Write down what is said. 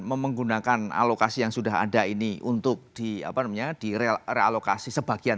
menggunakan alokasi yang sudah ada ini untuk di realokasi sebagian